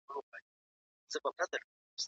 آیا تاسو په انټرنیټ کې ورزشي تمرینونه ګورئ؟